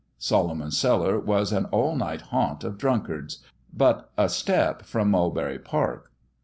Solomon's Cellar was an all night haunt of drunkards but a step from Mulberry Park.